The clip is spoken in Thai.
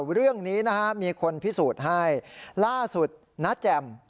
เรื่องนี้มีคนพิสูจน์ให้ล่าสุดณแจ่ม